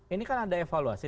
ini kan ada evaluasi